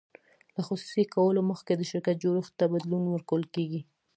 له خصوصي کولو مخکې د شرکت جوړښت ته بدلون ورکول کیږي.